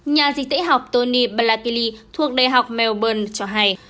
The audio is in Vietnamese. nhà dịch tễ học tony balatili thuộc đại học melbourne cho hay